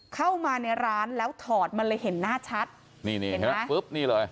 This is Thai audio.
เข้ามาในร้านแล้วถอดมันเลยเห็นหน้าชัดนี่นี่เห็นไหมปุ๊บนี่เลย